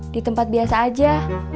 di tempat biasa aja